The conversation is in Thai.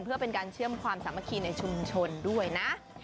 เพื่อเป็นการเชื่อมความสามัคคีในชุมชนด้วยนะ